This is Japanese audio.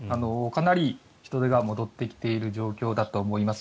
かなり人出が戻ってきている状況だと思います。